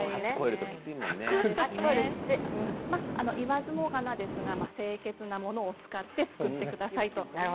言わずもがなですけれど清潔なものを使って作ってください。